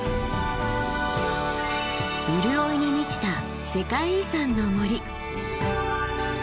潤いに満ちた世界遺産の森。